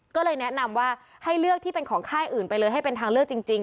ก็เลยแนะนำว่าให้เลือกที่เป็นของค่ายอื่นไปเลยให้เป็นทางเลือกจริง